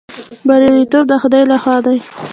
بریالیتوب د خدای لخوا دی